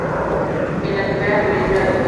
En la primera película, "Dr.